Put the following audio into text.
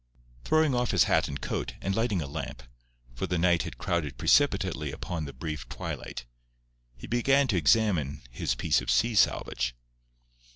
Throwing off his hat and coat, and lighting a lamp—for the night had crowded precipitately upon the brief twilight—he began to examine his piece of sea salvage.